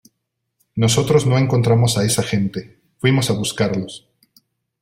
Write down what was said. nosotros no encontramos a esa gente, fuimos a buscarlos.